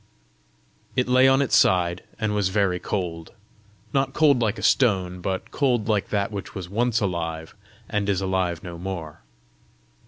It lay on its side, and was very cold not cold like a stone, but cold like that which was once alive, and is alive no more.